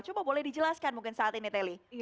coba boleh dijelaskan mungkin saat ini teli